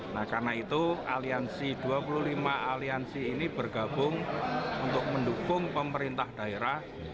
nah karena itu aliansi dua puluh lima aliansi ini bergabung untuk mendukung pemerintah daerah